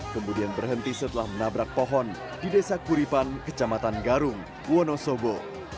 kemudian berhenti setelah menabrak pohon di desa kuripan kecamatan garung wonosobo